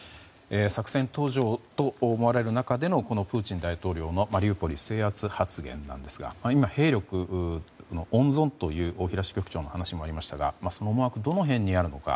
作戦途上と思われる中でのこのプーチン大統領のマリウポリ制圧発言なんですが今、兵力の温存という大平支局長の言葉もありましたがその思惑、どの辺にあるのか